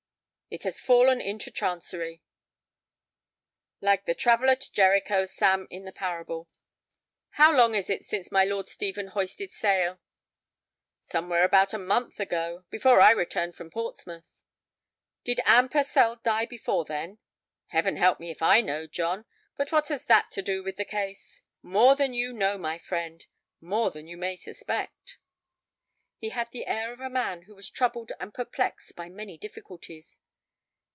"It has fallen into Chancery." "Like the traveller to Jericho, Sam, in the parable. How long is it since my Lord Stephen hoisted sail?" "Somewhere about a month ago—before I returned from Portsmouth." "Did Anne Purcell die before then?" "Heaven help me if I know, John. But what has that to do with the case?" "More than you know, my friend—more than you may suspect." He had the air of a man who was troubled and perplexed by many difficulties.